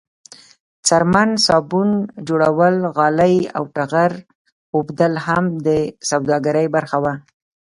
څرمن، صابون جوړول، غالۍ او ټغر اوبدل هم د سوداګرۍ برخه وه.